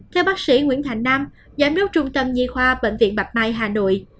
theo bác sĩ nguyễn thành nam giám đốc trung tâm nhi khoa bệnh viện bạch mai hà nội